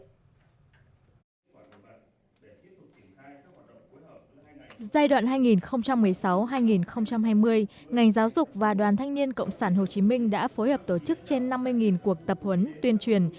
giai đoạn hai nghìn một mươi sáu hai nghìn hai mươi ngành giáo dục và đoàn thanh niên cộng sản hồ chí minh đã phối hợp tổ chức trên năm mươi cuộc tập huấn tuyên truyền